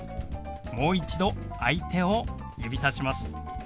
もう一度相手を指さします。